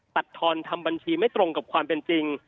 ทอนทำบัญชีไม่ตรงกับความเป็นจริง